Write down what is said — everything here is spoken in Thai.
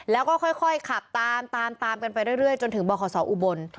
แล้วก็ค่อยขับตามตามกันไปเรื่อยจนถึงบขศอุบล